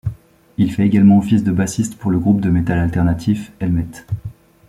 Il fait également office de bassiste pour le groupe de metal alternatif Helmet.